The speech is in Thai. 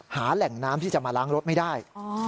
หาแหล่งน้ำที่จะมาล้างรถไม่ได้